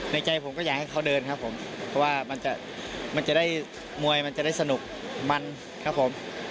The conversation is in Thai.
ใจผมก็อยากให้เขาเดินครับผมเพราะว่ามันจะได้มวยมันจะได้สนุกมันครับผม